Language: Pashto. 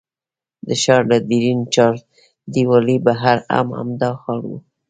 د ښار له ډبرین چاردیوالۍ بهر هم همدا حال و.